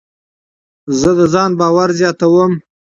زه د ځان باور زیاتوم.